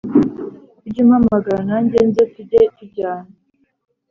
Ujye umpamagara nanjye nze tujye tujyana